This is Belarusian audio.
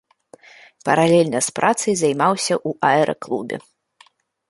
Паралельна з працай займаўся ў аэраклубе.